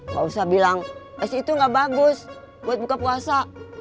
gak usah bilang es itu nggak bagus buat buka puasa